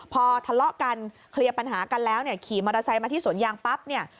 พอทะเลาะกันเคลียร์ปัญหากันแล้วเนี่ยขี่มอเตอร์ไซค์มาที่สวนยางปั๊บเนี่ย